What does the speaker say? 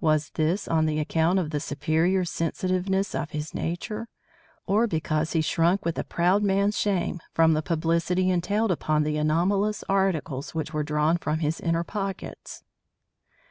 Was this on account of the superior sensitiveness of his nature, or because he shrunk with a proud man's shame from the publicity entailed upon the anomalous articles which were drawn from his inner pockets?